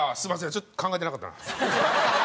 ちょっと考えてなかったな。